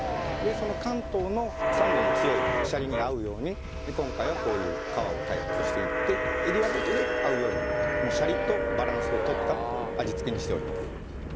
その関東の酸度の強いシャリに合うように今回はこういう皮を開発していってエリアごとで合うようにシャリとバランスをとった味付けにしております